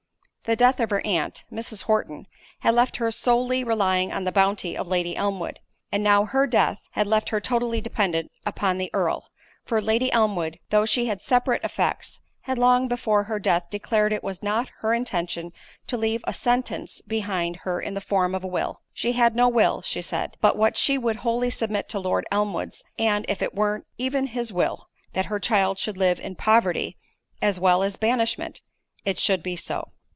The death of her aunt, Mrs. Horton, had left her solely relying on the bounty of Lady Elmwood, and now her death, had left her totally dependant upon the Earl—for Lady Elmwood though she had separate effects, had long before her death declared it was not her intention to leave a sentence behind her in the form of a will. She had no will, she said, but what she would wholly submit to Lord Elmwood's; and, if it were even his will, that her child should live in poverty, as well as banishment, it should be so.